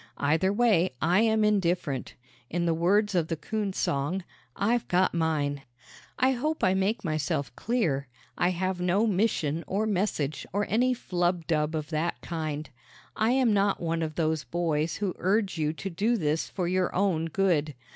Either way I am indifferent. In the words of the coon song: "I've got mine!" I hope I make myself clear. I have no mission or message or any flubdub of that kind. I am not one of those boys who urge you to do this for your own good.